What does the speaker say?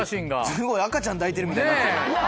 すごい赤ちゃん抱いてるみたいになってる。